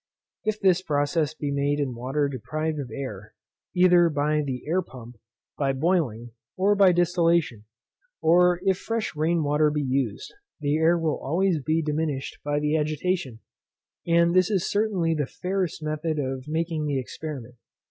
If this process be made in water deprived of air, either by the air pump, by boiling, or by distillation, or if fresh rain water be used, the air will always be diminished by the agitation; and this is certainly the fairest method of making the experiment.